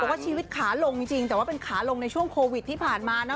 ว่าชีวิตขาลงจริงแต่ว่าเป็นขาลงในช่วงโควิดที่ผ่านมานะ